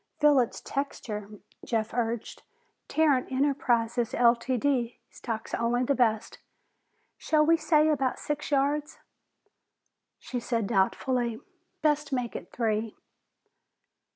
"Feel its texture," Jeff urged. "Tarrant Enterprises, Ltd., stocks only the best. Shall we say about six yards?" She said doubtfully, "Best make it three."